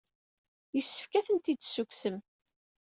Yessefk ad tent-id-tessukksem.